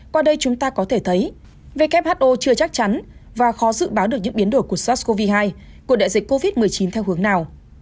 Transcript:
qua đây chúng ta có thể thấy who chưa chắc chắn và khó dự báo được những biến đổi của sars cov hai của đại dịch covid một mươi chín theo hướng nào